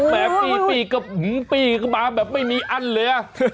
แหมปลีกก็ปลีกก็มาแบบไม่มีอันเลยนะ